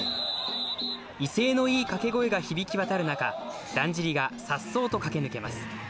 威勢のいい掛け声が響き渡る中、だんじりがさっそうと駆け抜けます。